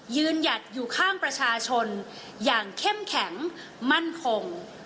หยัดอยู่ข้างประชาชนอย่างเข้มแข็งมั่นคง